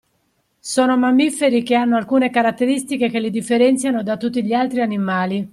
Sono mammiferi che hanno alcune caratteristiche che li differenziano da tutti gli altri animali.